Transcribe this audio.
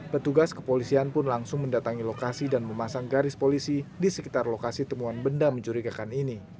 petugas kepolisian pun langsung mendatangi lokasi dan memasang garis polisi di sekitar lokasi temuan benda mencurigakan ini